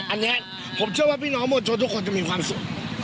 อันนี้ผมเชื่อว่าพี่น้องมวลชนทุกคนจะมีความสุข